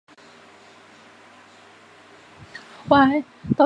教员时期台湾风土记民俗台湾台湾省宣传委员会岛根新闻社平凡社